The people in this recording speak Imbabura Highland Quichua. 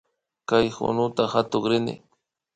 Kay kunuta katukrini